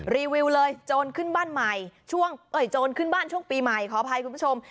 รีวิวเลยโจรขึ้นบ้านช่วงปีใหม่ขออภัยคุณผู้ชม